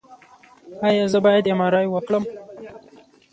ایا زه باید ایم آر آی وکړم؟